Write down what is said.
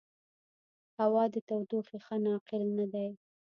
هوا د تودوخې ښه ناقل نه دی.